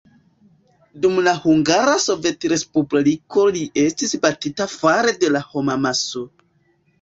Dum la Hungara Sovetrespubliko li estis batita fare de homamaso.